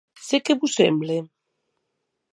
Se qué vos semble?